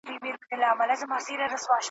سره جمع کړي ټوټې سره پیوند کړي `